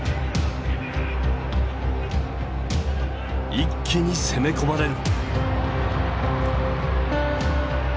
一気に攻め込まれる。